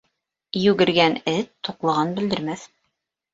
Йүгергән эт туҡлығын белдермәҫ